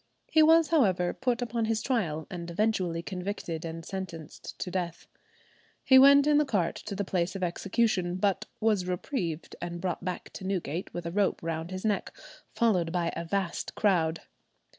He was, however, put upon his trial, and eventually convicted and sentenced to death. He went in the cart to the place of execution, but was reprieved and brought back to Newgate with a rope round his neck, followed by a "vast" crowd.